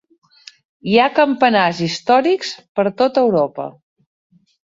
Hi ha campanars històrics per tota Europa.